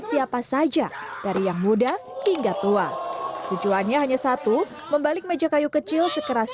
siapa saja dari yang muda hingga tua tujuannya hanya satu membalik meja kayu kecil sekeras